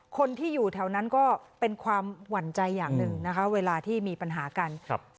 คนที่อยู่แถวนั้นก็เป็นความหวั่นใจอย่างหนึ่งนะคะเวลาที่มีปัญหากันครับ